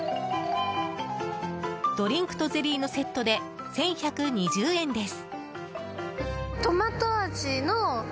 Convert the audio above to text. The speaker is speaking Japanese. ドリンクとゼリーのセットで１１２０円です。